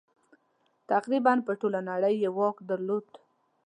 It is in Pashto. تقریباً پر ټوله نړۍ یې واک درلود.